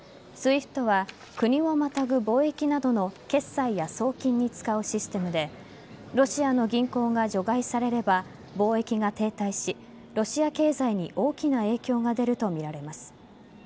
ＳＷＩＦＴは国をまたぐ貿易などの決済や送金に使うシステムでロシアの銀行が除外されれば貿易が停滞しロシア経済に大きな影響が出るとみられます。